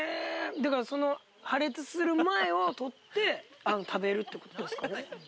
だからその、破裂する前を取って、食べるってことですかね？